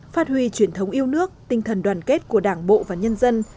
phát huy truyền thống yêu nước tinh thần đoàn kết của đảng bộ và nhân dân